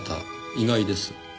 意外です。